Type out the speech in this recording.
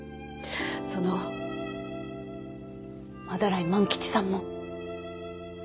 その斑井万吉さんも。